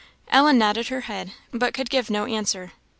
Ellen nodded her head, but could give no answer.